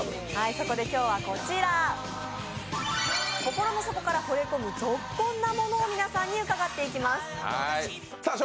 そこで今日は、心の底からほれ込むゾッコンなものを皆さんに伺っていきます。